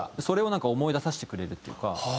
それをなんか思い出させてくれるっていうか。